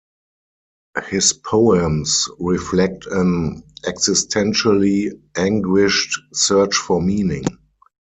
His poems reflect an existentially anguished search for meaning.